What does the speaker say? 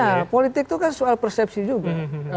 ya politik itu kan soal persepsi juga